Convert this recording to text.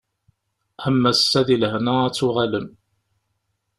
Am wass-a di lehna ad d-tuɣalem.